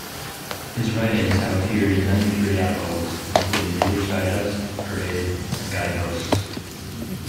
His writings have appeared in many periodicals, including Reader's Digest, Parade, and Guideposts.